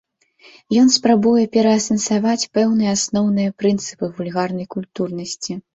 Ён спрабуе пераасэнсаваць пэўныя асноўныя прынцыпы вульгарнай культурнасці.